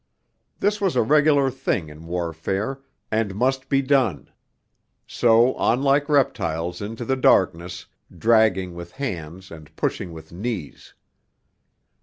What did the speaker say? This was a regular thing in warfare, and must be done. So on like reptiles into the darkness, dragging with hands and pushing with knees.